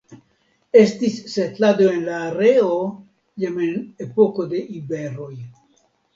Estis setlado en la areo jam en epoko de iberoj.